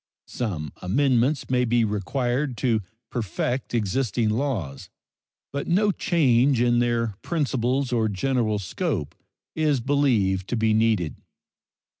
Some amendments may be required to perfect existing laws, but no change in their principles or general scope is believed to be needed.